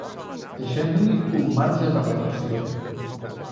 Deixem-li un marge de reflexió.